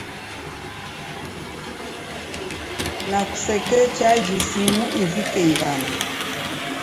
Na kusekechaji simu ivike ighana.